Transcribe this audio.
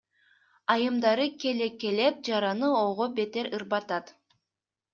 Айрымдары келекелеп, жараны ого бетер ырбатат.